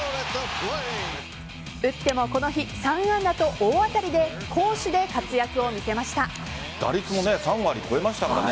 打ってもこの日３安打と大当たりで打率も３割を超えましたからね